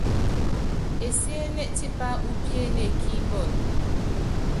Esiéné tipá úpiéne kí mbɔl.